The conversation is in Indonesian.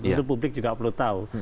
itu publik juga perlu tahu